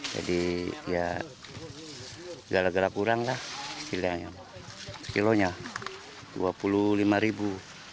jadi ya gala gala kurang lah sekilanya sekilanya dua puluh lima ribu